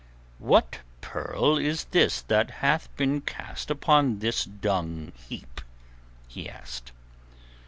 "What pearl is this that hath been cast upon this dung heap?" he asked.